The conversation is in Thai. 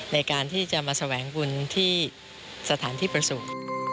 ในการที่จะมาแสวงบุญที่สถานที่ประสูจน์